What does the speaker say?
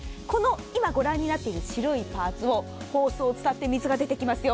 今御覧になっている白いパーツをホースを伝って水が出てきますよ。